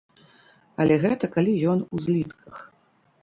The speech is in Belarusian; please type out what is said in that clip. Але гэта калі ён у злітках.